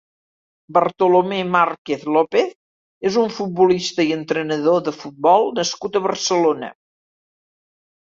Bartolomé Márquez López és un futbolista i entrenador de futbol nascut a Barcelona.